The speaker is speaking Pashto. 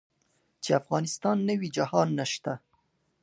چې افغانستان نه وي جهان نشته.